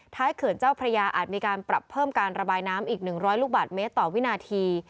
เขื่อนเจ้าพระยาอาจมีการปรับเพิ่มการระบายน้ำอีก๑๐๐ลูกบาทเมตรต่อวินาที